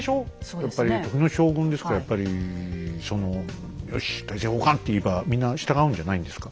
やっぱり時の将軍ですからやっぱり「よし大政奉還！」って言えばみんな従うんじゃないんですか？